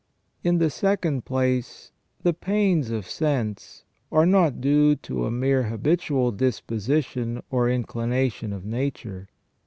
In the second place, the pains of sense are not due to a mere habitual disposition or inclination of nature.